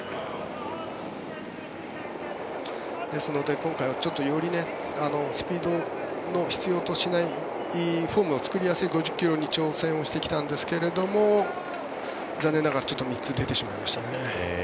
ですので、今回はよりスピードを必要としないフォームを作りやすい５０ｋｍに挑戦をしてきたんですが残念ながら３つ出てしまいましたね。